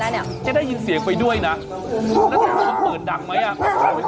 อยากดูสิ่งประโยชน์นี้